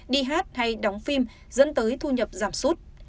đi hát hay đóng phim dẫn tới thu nhập giảm sút